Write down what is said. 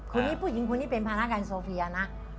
คุณนี้ผู้หญิงคุณนี้เป็นพนักงานโซเฟียนะ